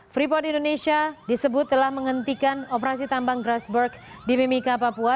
freeport indonesia disebut telah menghentikan operasi tambang grassberg di mimika papua